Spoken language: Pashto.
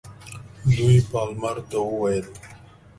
دوی پالمر ته وویل.